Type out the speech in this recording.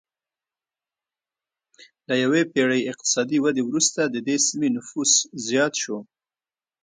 له یوې پېړۍ اقتصادي ودې وروسته د دې سیمې نفوس زیات شو